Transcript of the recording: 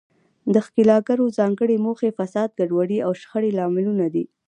د ښکیلاکګرو ځانګړې موخې، فساد، ګډوډي او شخړې لاملونه دي.